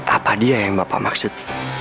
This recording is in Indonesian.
apa dia yang bapak maksud